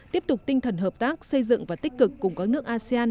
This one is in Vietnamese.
tiếp tục tinh thần hợp tác xây dựng và tích cực cùng các nước asean